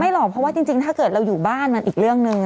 หรอกเพราะว่าจริงถ้าเกิดเราอยู่บ้านมันอีกเรื่องหนึ่ง